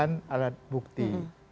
mengumpulkan alat bukti